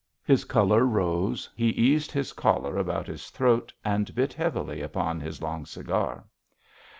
His colour rose; he eased his collar about his throat and bit heavily upon his long cigar.